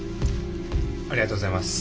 ありがとうございます。